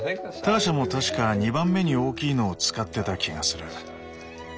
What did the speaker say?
ターシャも確か２番目に大きいのを使ってた気がする。